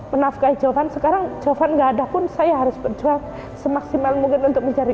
menafkahi jawaban sekarang jawaban gak ada pun saya harus berjuang semaksimal mungkin untuk mencari